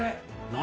何？